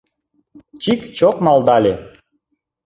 «Чик-чок» малдале.